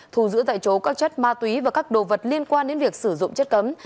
thù giữ tại chỗ các chất ma túy và các đồ vật liên quan đến việc sử dụng chất cấm